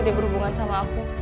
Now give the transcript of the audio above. dia berhubungan sama aku